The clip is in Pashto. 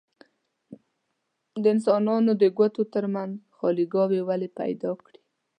د انسانانو د ګوتو ترمنځ خاليګاوې ولې پیدا کړي؟